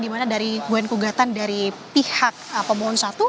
dimana dari dua gugatan dari pihak pemohon satu